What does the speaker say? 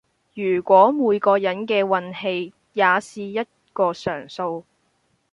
如果每個人的運氣也是一個常數